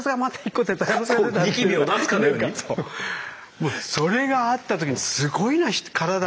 もうそれがあった時に「すごいなからだ！」